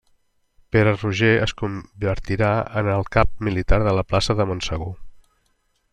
Pere Roger es convertirà en el cap militar de la plaça de Montsegur.